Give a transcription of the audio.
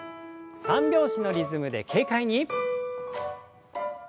三拍子のリズムで軽快に。